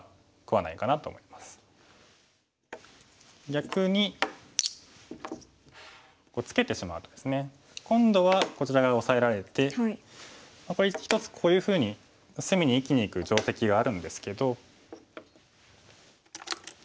逆にツケてしまうとですね今度はこちら側オサえられてこれ一つこういうふうに隅に生きにいく定石があるんですけど。